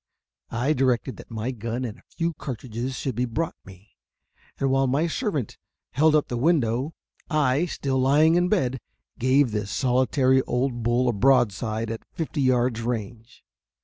I directed that my gun and a few cartridges should be brought me, and while my servant held up the window, I, still lying in bed, gave this solitary old bull a broadside at fifty yards range.